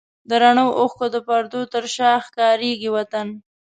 د رڼو اوښکو د پردو تر شا ښکارېږي وطن